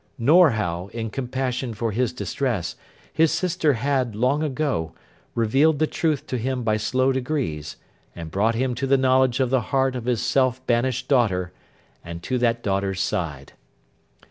Nor, how, in compassion for his distress, his sister had, long ago, revealed the truth to him by slow degrees, and brought him to the knowledge of the heart of his self banished daughter, and to that daughter's side.